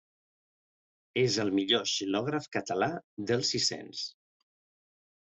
És el millor xilògraf català del Sis-cents.